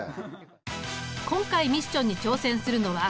今回ミッションに挑戦するのはこの３人。